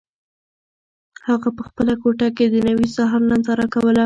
هغه په خپله کوټه کې د نوي سهار ننداره کوله.